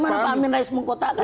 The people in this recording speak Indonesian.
bagaimana pak amin rais mengkotakan